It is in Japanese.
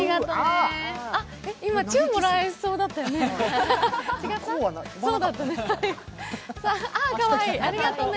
今、チューをもらえそうだったよね。